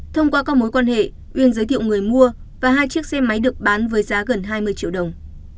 thông qua các mối quan hệ uyên giới thiệu người mua và hai chiếc xe máy được bán với giá gần hai mươi triệu đồng